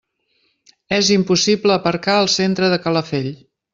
És impossible aparcar al centre de Calafell.